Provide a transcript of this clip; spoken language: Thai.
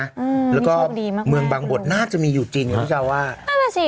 นี่ช่างดีมากลูกอืมจะมีอยู่จริงพี่เจ้าว่านะหน่าสิ